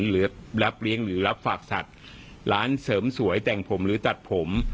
หรือรับเลี้ยงหรือรับฝากสัตว์ร้านเสริมสวยแต่งผมหรือตัดผม